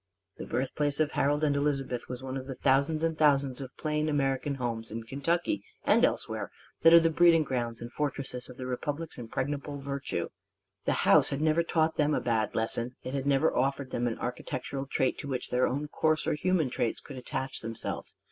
The birthplace of Harold and Elizabeth was one of the thousands and thousands of plain American homes in Kentucky and elsewhere that are the breeding grounds and fortresses of the Republic's impregnable virtue. The house had never taught them a bad lesson; it had never offered them an architectural trait to which their own coarser human traits could attach themselves.